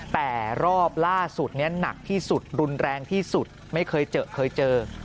แต่รอบล่าสุดนี้หนักที่สุดรุนแรงที่สุดไม่เคยเจอเคยเจอ